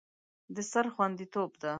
د سر خوندیتوب ده.